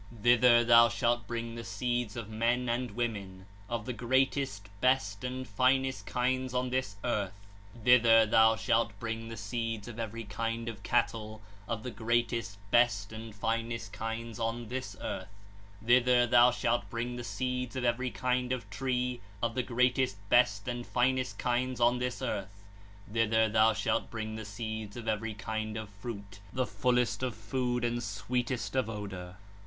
Thither thou shalt bring the seeds 3 of men and women, of the greatest, best, and finest kinds on this earth; thither thou shalt bring the seeds of every kind of cattle, of the greatest, best, and finest kinds on this earth. 28 (74). Thither thou shalt bring the seeds of every kind of tree, of the greatest, best, and finest kinds on this earth; thither thou shalt bring the seeds of every kind of fruit, the fullest of food and sweetest of odour.